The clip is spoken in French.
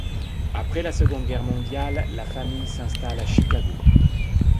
Après la Seconde Guerre mondiale, la famille s'installe à Chicago.